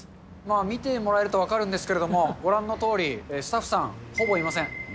見てもらえると分かるんですけれども、ご覧のとおり、スタッフさん、ほぼいません。